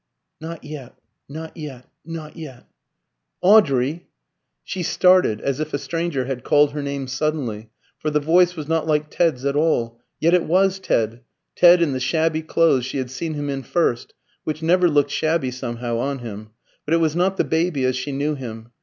Not yet not yet not yet. "Audrey!" She started as if a stranger had called her name suddenly, for the voice was not like Ted's at all. Yet it was Ted, Ted in the shabby clothes she had seen him in first, which never looked shabby somehow on him; but it was not the baby as she knew him.